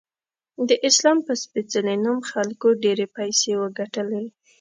د اسلام په سپیڅلې نوم خلکو ډیرې پیسې وګټلی